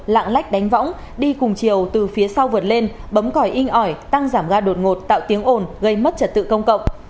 lạng lách đánh võng đi cùng chiều từ phía sau vượt lên bấm còi inh ỏi tăng giảm ga đột ngột tạo tiếng ồn gây mất trật tự công cộng